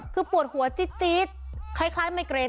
คือปวดหัวจี๊ดคล้ายไมเกรน